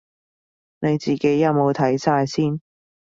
你自己有冇睇晒先